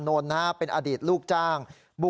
โอ้โหนะครับ